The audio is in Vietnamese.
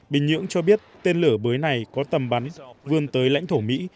bình nhưỡng cho biết tên lửa mới này có tầm bắn vươn tới lãnh thổ mỹ